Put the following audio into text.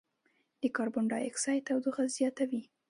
د کاربن ډای اکسایډ تودوخه زیاتوي.